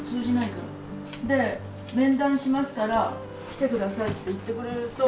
で面談しますから来て下さいって言ってくれると。